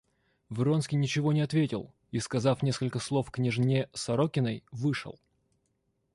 Вронский ничего не ответил и, сказав несколько слов княжне Сорокиной, вышел.